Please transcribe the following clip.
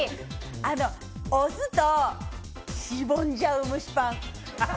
押すとしぼんじゃう蒸しパン。